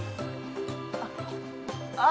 あっああ！